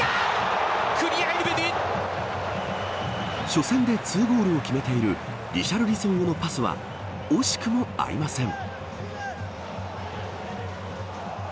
初戦で２ゴールを決めているリシャルリソンへのパスは惜しくも合いません。